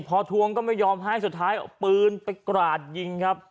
พอทวงก็ไม่ยอมให้สุดท้ายเอาปืนไปกราดยิงครับ